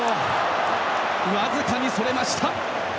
僅かにそれました。